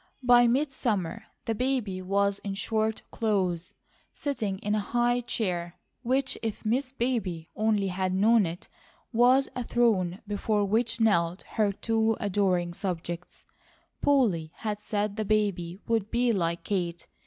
By midsummer the baby was in short clothes, sitting in a high chair, which if Miss Baby only had known it, was a throne before which knelt her two adoring subjects. Polly had said the baby would be like Kate.